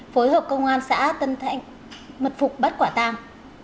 phối hợp công an xã tân thạnh mật phục bắt quả tang